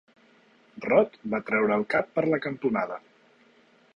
Rod va treure el cap per la cantonada.